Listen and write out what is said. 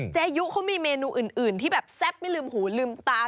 ยุเขามีเมนูอื่นที่แบบแซ่บไม่ลืมหูลืมตา